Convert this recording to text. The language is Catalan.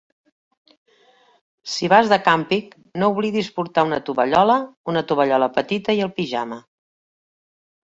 Si vas de càmping, no oblidis portar una tovallola, una tovallola petita i el pijama